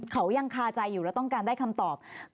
เขายังคาใจอยู่แล้วต้องการได้คำตอบ